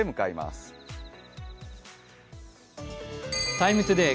「ＴＩＭＥ，ＴＯＤＡＹ」